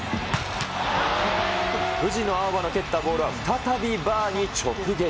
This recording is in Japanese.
藤野あおばの蹴ったボールは再びバーに直撃。